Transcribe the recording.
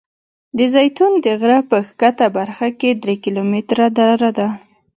د زیتون د غره په ښکته برخه کې درې کیلومتره دره ده.